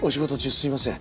すいません！